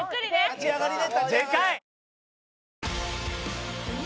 立ち上がりね。